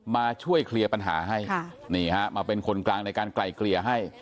มาช่วยเคลียร์ปัญหาให้นี่ฮะมาเป็นคนกลางในการไกลเกลี่ยให้